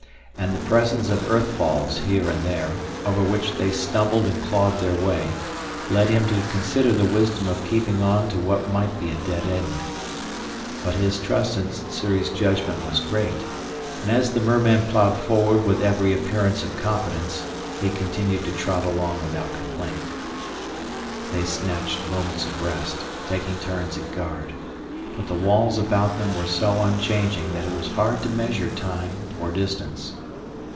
And the presence of earth falls here and there, over which they stumbled and clawed their way, led him to consider the wisdom of keeping on to what might be a dead end. But his trust in Sssuri's judgment was great, and as the merman plowed forward with every appearance of confidence, he continued to trot along without complaint. They snatched moments of rest, taking turns at guard. But the walls about them were so unchanging that it was hard to measure time or distance.